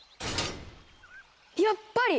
やっぱり！